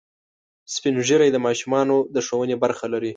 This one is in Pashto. سپین ږیری د ماشومانو د ښوونې برخه لري